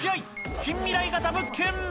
近未来型物件。